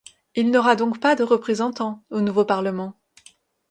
Il n’aura donc pas de représentant au nouveau Parlement.